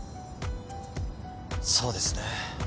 そうですね。